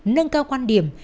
nâng cao quan điểm